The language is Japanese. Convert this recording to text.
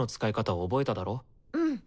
うん。